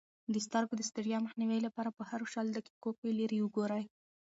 د سترګو د ستړیا مخنیوي لپاره په هرو شلو دقیقو کې لیرې وګورئ.